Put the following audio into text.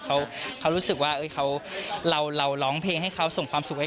เขารู้สึกว่าเราเราร้องเพลงให้เขาส่งความสุขไว้